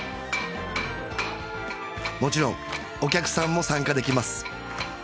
もちろんお客さんも参加できます